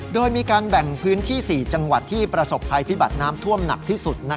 โดยมีการแบ่งพื้นที่๔จังหวัดที่ประสบภัยพิบัติน้ำท่วมหนักที่สุด